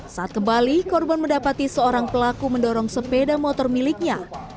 saat kembali korban mendapati seorang pelaku mendorong sepeda motor miliknya